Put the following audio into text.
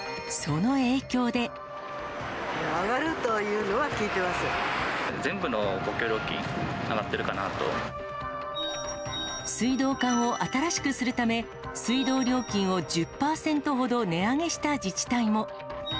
上がるというのは聞いていま全部の公共料金、上がってる水道管を新しくするため、水道料金を１０％ほど値上げした自治体も。